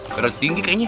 agak agak tinggi kayaknya